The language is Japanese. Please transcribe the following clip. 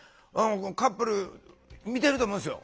カップル見てると思うんですよ。